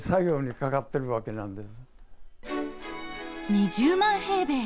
２０万平米。